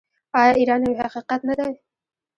آیا ایران یو حقیقت نه دی؟